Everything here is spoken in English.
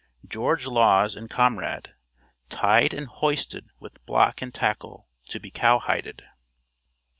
GEORGE LAWS AND COMRADE TIED AND HOISTED WITH BLOCK AND TACKLE, TO BE COWHIDED.